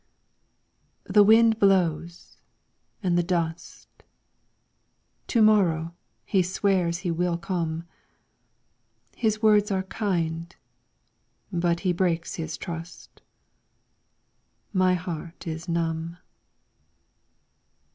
The wind blows and the dust. To morrow he swears he will come. His words are kind, but he breaks his trust, My heart is numb.